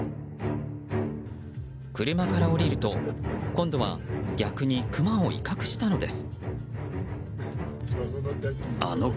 車から降りると、今度は逆にクマを威嚇したのです。